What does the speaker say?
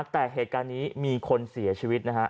แต่เหตุการณ์นี้มีคนเสียชีวิตนะฮะ